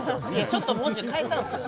ちょっと文字変えたんすよ